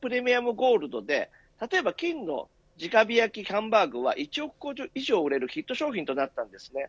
ゴールドで例えば、金の直火焼ハンバーグは１億個以上売れるヒット商品となったんです。